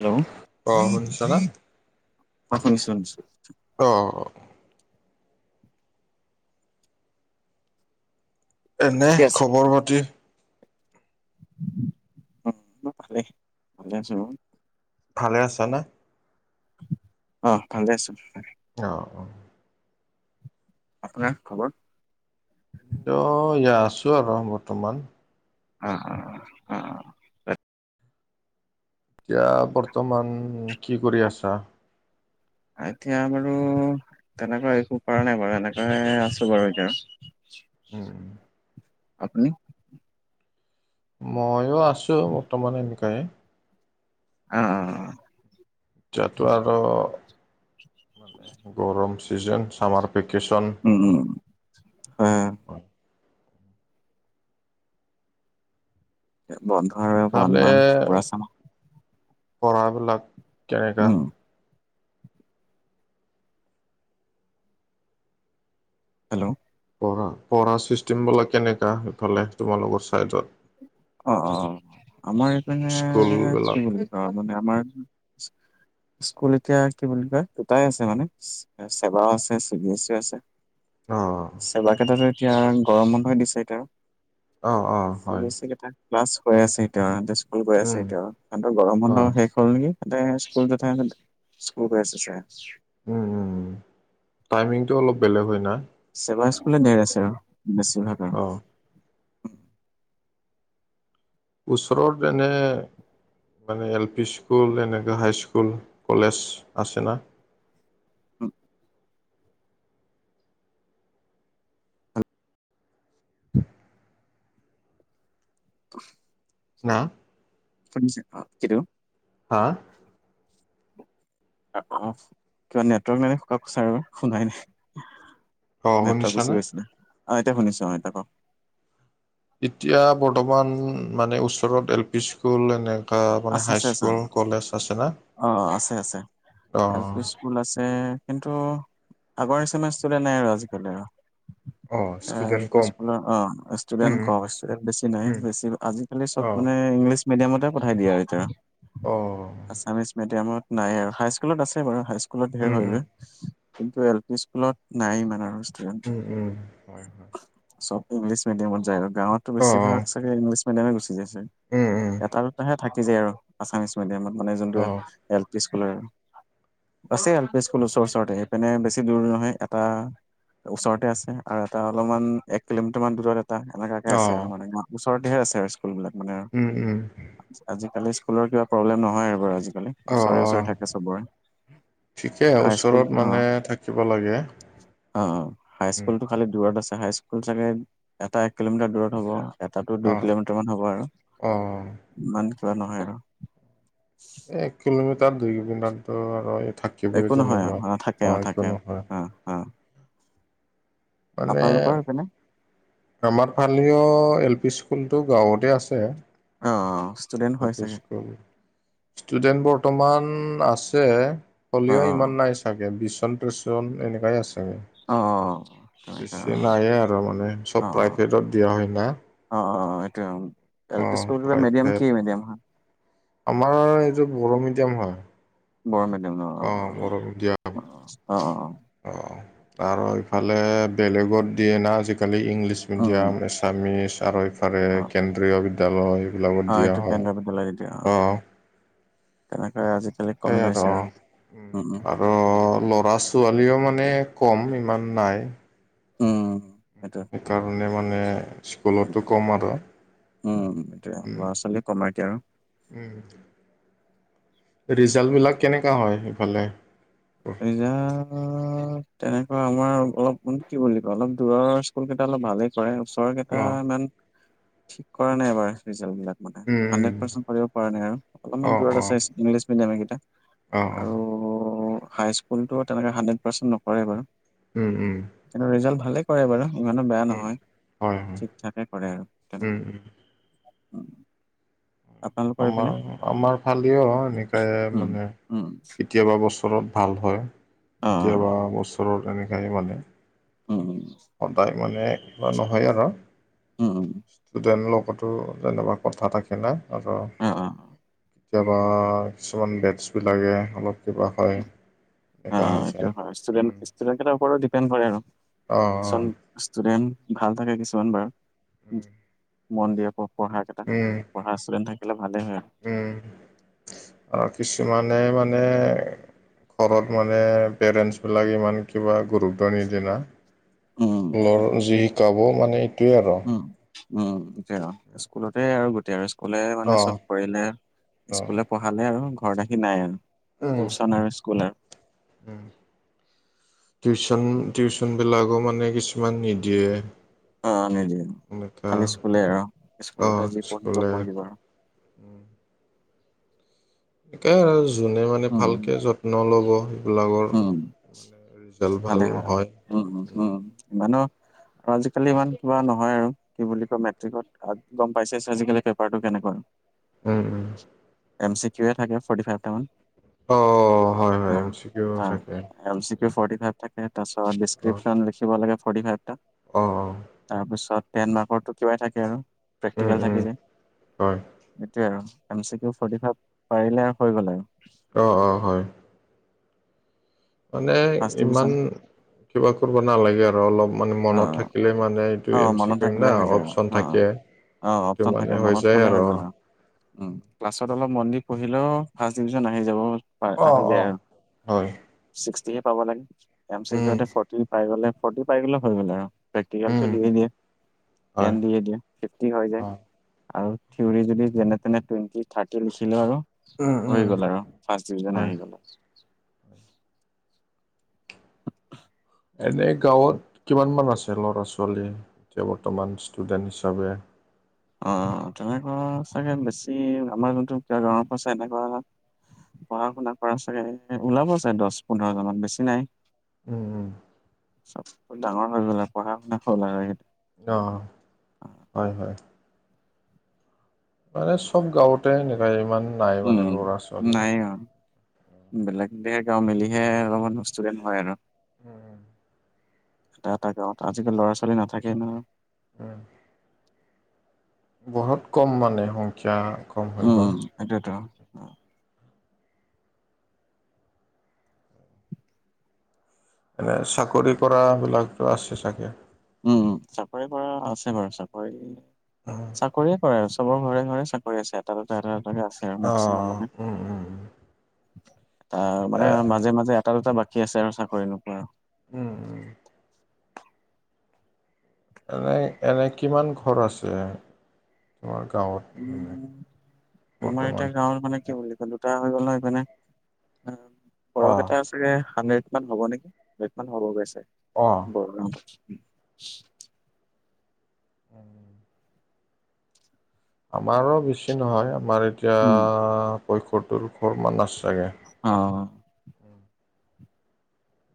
Hello? অ', শুনিছ না? অ শুনিছো শুনিছো অ'-অ'। এনেই ঠিকে আছে খবৰ বাতি? উম, ভালেই, ভালে আছো অ'। ভালে আছা না? অ', ভালে আছোঁ‌। অ'-অ'। আপোনাৰ খবৰ? ত' এইয়া আছো আৰু বৰ্তমান। অ'। এতিয়া বৰ্তমান কি কৰি আছা? এতিয়া বাৰু তেনেকুৱা একো কৰা নাই বাৰু এনেকৈয়ে আছো বাৰু এতিয়া। উম। আপুনি? ময়ো আছোঁ‌ বৰ্তমান এনেকাই। অ'-অ'-অ'। এতিয়াতো আৰু মানে গৰম ছিজন, চামাৰ ভেকেশ্যন। উম উম, হয়-হয়। এই বত ইফালে, পঢ়াবিলাক কেনেকা? উম হেল্ল'? পঢ়া, পঢ়া চিষ্টেম বিলাক কেনেকা সিফালে তোমালোকৰ চাইডত? অ'-অ', আমাৰ এইপিণে স্কুল বিলাক কি বুলি কয় মানে আমাৰ স্কুল এতিয়া কি বুলি কয়, দুটাই আছে মানে চেবাও আছে চি বি এছ চিও আছে। চেৱা কেইটাটো এতিয়া গৰম বন্ধই দিছে এতিয়া। অ অ অ চি হয় বি‌‌ এচ চি কেইটা ক্লাছ গৈ আছে এতিয়া স্কুল গৈ আছে উম এতিয়া, সিহতৰ গৰম বন্ধ অ শেষ হল নেকি, তাতে স্কুল [unintelligible] স্কুল গৈ আছে চাগে। উম উম উম, টাইমিংটো অলপ বেলেগ হয় না। চেবা স্কুলে ধেৰ আছে আৰু বেছিভাগ। আৰু অ'। ওচৰত এনে মানে এল পি স্কুল, এনেকা হাই স্কুল কলেজ আছে না। উম। [unintelligible] না [unintelligible] হা? [unintelligible] কিবা নেটৱৰ্ক [unintelligible] শুনাই নাই। অ নেটৱৰ্ক গুচি শুনিছানে গৈছিলে। অ', এতিয়া শুনিছো আহ, এতিয়া কওক। এতিয়া বৰ্তমান মানে ওচৰত এল পি স্কুল এনে [unintelligible] মানে আছে আছে আছে হাইস্কুল কলেজ আছে না অ আছে আছে এল অ'। স্কুল আছে কিন্তু আগৰ নিচিনা ইস্টুডেন্ট নাই আৰু আজিকালি আৰু। অ ষ্টুডেণ্ট অ', কম স্কুলৰ অ', স্টুডেন্ট উম কম হৈছে, বেছি নাই উম বেছি আজিকালি চব অ মানে ইংলিছ মিডিয়ামতে পঠাই দিয়ে আৰু এতিয়া অ আছামিছ মিডিয়ামত। নাই আৰু হাইস্কুলত আছে বাৰু হাইস্কুলত ধেৰ উম হৈ উম গৈ। কিন্তু এল পি স্কুলত নাই ইমান আৰু ষ্টুডেণ্ট। উম উম হয় হয় চব ইংলিছ মিডিয়ামত যায় আৰু গাঁৱততো অ বেছিভাগ চাগে ইংলিছ মিডিয়ামে গুচি যাইছে। উম উম এটা দুটাহে থাকি যায় আৰু আছামিছ মিডিয়ামত মানে যোনটো অ এল স্কুলৰ আছে এল পি স্কুল ওচৰ ওচৰতে সেইপিনে বেছি দূৰ নহয় এটা ওচৰতে আছে আৰু এটা অলপমান এক কিলোমিটাৰ মান দূৰত এটা এনেকাকে অ আছে আৰু মানে ওচৰতেহে আছে আৰু স্কুল বিলাক মানে আৰু। উম উম। আজিকালি স্কুলৰ কিবা প্ৰব্লেম নহয় আৰু বাৰু আজিকালি। অ অ ওচৰে ওচৰে থাকে চবৰে, ঠিকে হাই স্কুল ওচৰত অ', মানে থাকিব লাগে অ', উম হাইস্কুলটো খালি দূৰত আছে হাইস্কুল চাগে এটা এক কিলোমিটাৰ দূৰত হ'ব। এটাতো অ দুই কিলোমিটাৰ মান হ'ব আৰু। অ'। ইমান দূৰত নহয় আৰু। এ এক কিলোমিটাৰ দুই কিলোমিটাৰতো আৰু এই থাক একো নহয় অ', থাকে অ', থাকে অ', অ', অ'। মানে আপোনালোকৰ সেইপিনে আমাৰ ফালেও এল পি স্কুলটো গাঁৱতে আছে। অ', ষ্টুডেণ্ট এল হয় পি চাগে। স্কুল ষ্টুডেন্ট বৰ্তমান আছে, অ হ'লেও ইমান অ নাই চাগে [unintelligible] [unintelligible] এনেকোৱাই আছে। [unintelligible] অ', অ', অ'। তেনেকা বেছি নায়েই আৰু মানে চব প্ৰাইভেটত দিয়া হয় না। অ অ এইটোৱে। এল অ পি স্কুল মিডিয়াম প্ৰাইভেট কি মিডিয়াম হা? আমাৰ এইটো বড়ো মিডিয়াম হয়। বড়ো মেডিয়াম অ। অঁ বড়ো মেডিয়াম। অ অ অ। অঁ, আৰু ইফালে বেলেগত দিয়ে না আজিকালি। আজিকালি ইংলিছ উম মিডিয়াম, এছামিছ, আৰু ইফালে অ কেন্দ্ৰীয় বিদ্যালয় অ এইবিলাকত দিয়া এইটো হয় কেন্দ্ৰীয় অহ। তেনেকে আজি- এই আৰু অ, ‌ আৰু ল'ৰা ছো- ছোৱালীও মানে কম, ইমান নাই। উম। সেইটো সেইকাৰণে মানে স্কুলতো কম আৰু। উম এইটোৱে, উম, ল'ৰা ছোৱালী কমাই এতিয়া আৰু। উম। ৰিজাল্টবিলাক কেনেকুৱা হয় সেইফালে? ৰিজাল্ট তেনেকুৱা আমাৰ অলপ মানে কি বুলি কয় অলপ দূৰৰ স্কুল কেইটা অলপ ভালেই। ওচৰ কেইটা অ' ইমান ঠিক কৰা নাই এবাৰ ৰিজাল্ট বিলাক। হাড্ৰেড পাৰ্চেন্টে পৰা নাই আৰু অলপমান অ' দূৰত অ' আছে ইংলিছ মিডিয়ামে কেইটা। অ' অ' আৰু হাইস্কুলটো তেনেকে হাড্ৰেড পাৰ্চেন্ট নকৰেই বাৰু। উম উম। কিন্তু ৰিজাল্ট ভালেই কৰে বাৰু, ইমানো বেয়া নহয়। হয় হয় ঠিকঠাকে কৰে আৰু উম, তেনেকুৱা। উম। আপোনালোকৰ এইপিনে আমাৰ আমাৰ ফালেও এনেকাই উম মানে। উম কেইবাবছৰত ভাল হয়, অ কেতিয়াবা বছৰত এনেকাই মানে। উম। সদায় মানে কিবা নহয় আৰু উম উম ষ্টুডেণ্ট লগ- তো যেনিবা কথা থাকে না আৰু। অ অ কেতিয়াবা কিছুমান বেটছবিলাকে অলপ - কিবা হয় এনেকোৱা হৈছে। ষ্টুডেণ্টকেইটাৰ ওপৰত ডিপেণ্ড কৰে আৰু। অ। চ ষ্টুডেন্ট ভাল থাকে, কিছুমান বাৰু মন দিয়া পঢ়া উম। পঢ়া ষ্টুডেণ্ট থাকিলে ভালে হয় আৰু। উম, আৰু কিছুমানে মানে ঘৰত মানে পেৰেণ্টছবিলাক ইমান কিবা গুৰুত্ব নিদিয়ে না। উম স্কুলৰ সেইটো যি শিকাব মানে এইটোয়ে আৰু। উম এইটোৱে আৰু স্কুলতে আৰু গোটেই আৰু। কলে অ মানে চব কৰিলে, অ স্কুললে পঢ়ালে আৰু ঘৰত আহি নাই আৰু। উম, টিউচন আৰু স্কুলে। উম। টিউচন টিউচনবিলাকো মানে কিছুমান নিদিয়ে। অ নিদিয়ে, এনেকা খালি স্কুলে আৰু অ স্কুলতে যি পঢ়িব স্কুলে পঢ়িব আৰু। সেনেকে আৰু যোনে মানে উম ভালকে যত্ন লব সেইবিলাকত - উম ভালে হয় ভাল উম উম, ইমানো আৰু আজিকালি ইমান শিকোৱা নহয় আৰু। কি বুলি কয়, মেট্ৰিকত গম পাইছেছে, আজিকালি পেপাৰটো কেনেকুৱা। উম, উম, এম, চি, কিউয়ে, থাকে ফৰ্টি, ফাইভটামান। অ, হয় হয় এম, চি, কিউ অ, থাকে M, C, Q, forty five থাকে, তাৰ পিছত অ অ ডিচক্ৰিপচন লিখিব লাগে ফৰটি ফাইভটা। অ তাৰপিছত টেন মাৰ্কটো কিবাই থাকে আৰু। উম প্ৰেক্টিকেল উম থাকে যে। হয় সেইটোয়ে আৰু M, C, Q forty five পাৰিলে আৰু কৰিব লাগে। অ, অ, হয়। মানে, ফাৰ্ষ্ট ইমান ডিভিজন কিবা কৰিব নালাগে আৰু অলপ মানে অ মনত থাকিলে মানে অ, এম চি মনত কিউ না থাকিলে হৈ যায় অপচন অ, অ, থাকে অ, সেইটো অপচন মানে থাকে মনত যায় থলে হৈ গ'ল আৰু। উম, ক্লাছত অলপ মন দি পঢ়িলেও, ফাৰ্ষ্ট ডিভিজন আহি যাব। হয় আহি যায় অ, আৰু হয় ছিক্সটিহে পাব লাগে এম, চি, উম কিওতে, ফৰ পাই গ'ল, ফৰ্টি পাই গ'লে হৈ গ'ল আৰু বাকি উম, দিয়ে দিয়ে, টেন হয় দিয়ে দিয়ে, ফিভটি হয় যায়। অ, আৰু থিওৰি যদি যেনে-তেনে টুৱেণ্টি, থাৰ্টি, লিখিলে আৰু উম, হৈ উম, গ'ল আৰু। ফাৰ্ষ্ট ডিভিজন হয়। আহি গ'ল আৰু। [inaudible] এনেই গাঁৱত কিমান মান আছে ল'ৰা-ছোৱালী এতিয়া বৰ্তমান ষ্টুডেণ্ট হিচাপে। অ, তেনেকুৱা চাগে বেছি আমাৰ যোনটো কিবা [unintelligible] পঢ়া-শুনা কৰা চাগে, ওলাব চাগে দহ পোন্ধৰ জনত বেছি নাই। উম, উম, চ'ব ডাঙৰ হৈ গ'লা পঢ়া শুনা হ'ল আৰু সেইটো। অ, হয় হয়। মানে চ'ব গাঁৱতে সেনেকুৱাই ইমান নাই মানে উম, ল'ৰা ছোৱালী। নাই অ, বেলেগ বেলেগে গাওঁ, মেলিহে অলপমান ষ্টুডেণ্ট হয় আৰু। উম, এটা, এটা গাঁৱত আজিকালি ল'ৰা-ছোৱালী নাথাকে নহয়। উম, বহুত কম মানে সংখ্যা, কম হৈ গ'ল। সেইটোৱেটো। এনে চাকৰি কৰা বিলাকতো আছে চাগে। উম, উম, চাকৰি কৰা আছে বাৰু, চাকৰি উম, চাকৰিয়ে কৰা আছে। চবৰ ঘৰে, ঘৰে, চাকৰি আছে, এটা দুটা, এটা দুটা, এটা এটাকে আছে আৰু অ, মেক্সিমাম মানে। উম, উম, আহ, এ মানে মাজে, মাজে এটা দুটা বাকী আছে আৰু চাকৰি নোপোৱা। উম, উম, এনেই, এনেই, কিমান ঘৰ আছে, তোমাৰ গাঁৱত? মানে উম, আমাৰ বৰ্তমান? এটা গাঁৱত মানে কি বুলি ক'লো। এটা হৈ গ'ল ন, এইপিনে অ, অ, বৰক এটা আছে। তাকে হাড্ৰেড মান হ'ব নেকি, হাড্ৰেড মান হ'ব গৈ চাগে। অ, [unintelligible] উম, আমাৰো বেছি নহয়, আমাৰ এতিয়া পৈয়শত্তৰ ঘৰ মান আছে চাগে। হ।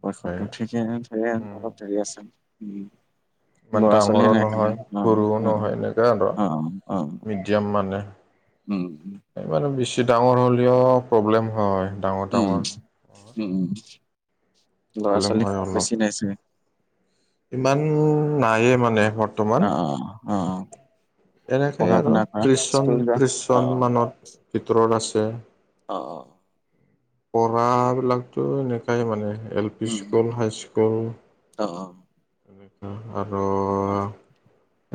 পয়সত্তৰ ঠিকে ধেকে উম অলপ দেৰি আছে। ওম। ইমান ল'ৰা-ছোৱালী ডাঙৰো নাই খালি নহয় অ সৰুও উ নহয় এনেকা আৰু অ অ। উম। এইবানে বেছি ডাঙৰ হ'লিও প্ৰব্লেম হয়। ডাঙৰ উ উম, ডাঙৰ উম উম প্ৰব্লেম ল'ৰা-ছোৱালী হয় অলপ বেছি নাই চাগে। ইমান নায়ে মানে বৰ্তমান। অ অ। এনেকায়ে পঢ়া আৰু শুনা কৰা ত্ৰিশ চন স্কুল যোৱা ত্ৰিশ অ অ চন মানৰ ভিতৰত আছে। অ অ। পঢ়াবিলাকটো এনেকাই মানে L P um um school, high school. অ অ, আৰু অ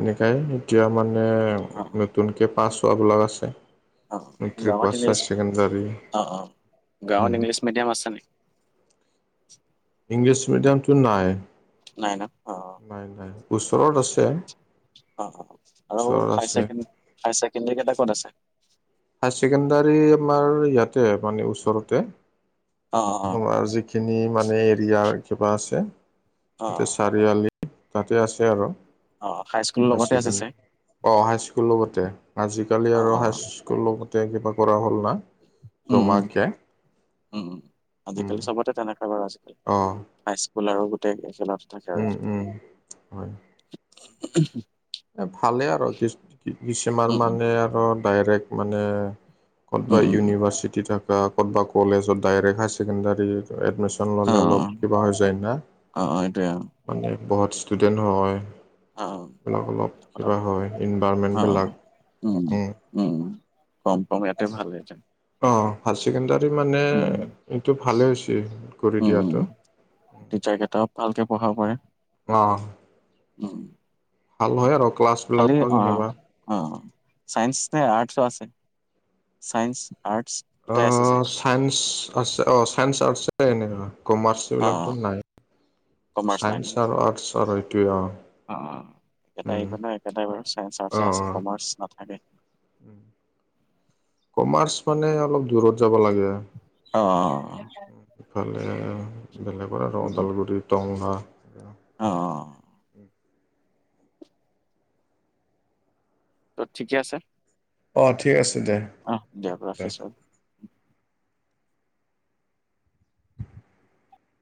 এনেকাই এতিয়া মানে অ। তনকে পাছ হোৱা বিলাগ আছে, অ অ মেট্ৰিক গাঁৱত পাছ, হাই ইংলিছ ছেকেণ্ডাৰী। অ অ, গাঁৱত ইংলিছ মেডিয়াম আছে নেকি? ইংলিছ মেডিয়ামটো নাই। নাই ন? অ নাই নাই। অ ওচৰত আছে, অ অ অ আৰু ওচৰত হাই আছে। ছেকেণ্ড হাই ছেকেণ্ডাৰী কেইটা ক'ত আছে? হাই ছেকেণ্ডাৰী আমাৰ ইয়াতে মানে ওচৰতে। অ আজি খিনিৰ মানে এৰিয়াৰ কিবা আছে। অ অ এতিয়া চা ৰিআলি তাতে আছে আৰু। অ স্কুলৰ হাই লগতে আছে ছেকেণ্ড, চাগে অ হাইস্কুল লগতে। আজিকালি অ আৰু অ হাই স্ক স্কুলৰ লগতে কিবা কৰা হ'ল না। উ উহ জমাকে উ, আজিকালি চবতে তেনেকা বাৰু আছেই। অ। হাইস্কুল আৰু গোটেই একেলগে থাকে আৰু উম উম হয় এতিয়া। এ ভালেই আৰ কিছ কি কিছুমান উম উম মানে আৰু ডাইৰেক্ট মানে উম কোনবা উম উম ইউনিভাৰ্চিটিত থাকা, কোনোবা কলেজত direct high secondary admission অ ল'লে অলপ কিবা হৈ যায় না, অ অ অ এইটোৱে আৰু মানে বহুত ষ্টুডেণ্ট হয়। [unintelligible] অলপ অলপ কিবা কটালো। হয় অ', ইনভাৰমেণ্টবিলাক। উম। উম, কম কম ইয়াতে ভাল হৈ যা অ হাই ছেকেণ্ডাৰী মানে এইটো ভালেই হৈছে কৰি উম, দিয়াটো। টিচাৰ কেইটাও ভালকে পঢ়াব পাৰে। অ অ, উম, ভাল হয় আৰু ক্লাছ বিলাক খালি অ', যেনিবা। অ, চাইন্স নে আৰ্টছ আছে? Science, arts. অ অ, দুটাই আছে চাগে, চাইন্স আছ, অ চাইন্স, আৰ্টছে এনেকা। কমাৰ্চ এইবিলাকটো অ', নাই। কমাৰ্চ নাই ন? চাইন্স আৰু আৰ্টছৰ আৰু এইটোৱে অ। অ অ। এটাই এখনৰ, এটা বাৰু চাইন্স, আৰ্টছে অ', আছে অ', কমাৰ্চ নাথাকে। [inaudible] কমাৰ্চ মানে অলপ দূৰত যাব লাগে আ। অ অ। ইফালে বেলেগৰ আৰু ওদালগুটি দংঘা। অঁ অঁ। তোৰ ঠিকে আছে? অঁ ঠিক আছে দে। অহ দিয়ক দে। ৰাখিছোঁ।